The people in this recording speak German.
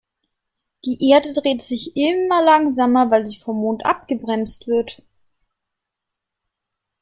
Die Erde dreht sich immer langsamer, weil sie vom Mond abgebremst wird.